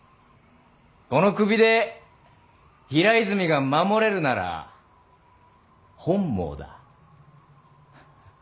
この首で平泉が守れるなら本望だ。